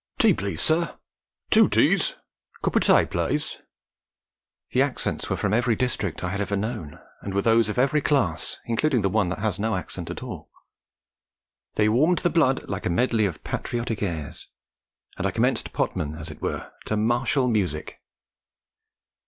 'Tea, please, sir!' 'Two teas!' 'Coop o' tay, plase!' The accents were from every district I had ever known, and were those of every class, including the one that has no accent at all. They warmed the blood like a medley of patriotic airs, and I commenced potman as it were to martial music.